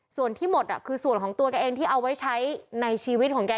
ส่วนที่หมดคือส่วนของตัวแกเองที่เอาไว้ใช้ในชีวิตของแก